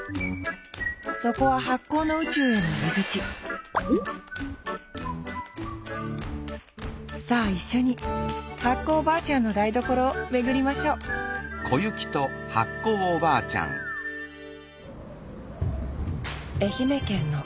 そこは発酵の宇宙への入り口さあ一緒に発酵おばあちゃんの台所を巡りましょう愛媛県の石山。